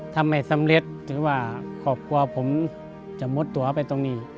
ทำให้สำเร็จหรือว่าครอบความผมจะมดตัวไปตรงนี้